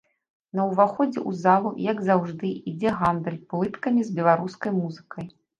На ўваходзе ў залу, як заўжды, ідзе гандаль плыткамі з беларускай музыкай.